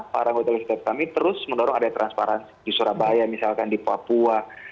para hotelistik kami terus mendorong adat transparan di surabaya misalkan di papua